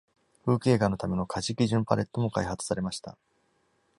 風景画のための価値基準パレットも開発されました。